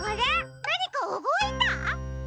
なにかうごいた！？